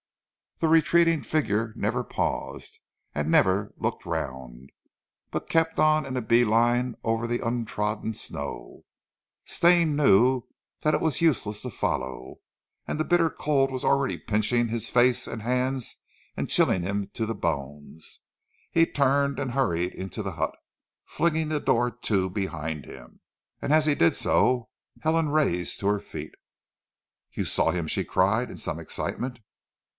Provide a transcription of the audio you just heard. The retreating figure never paused, and never looked round, but kept on in a bee line over the untrodden snow. Stane knew that it was useless to follow, and the bitter cold was already pinching his face and hands and chilling him to the bone. He turned and hurried into the hut, flinging the door to behind him, and as he did so, Helen rose to her feet. "You saw him?" she cried in some excitement.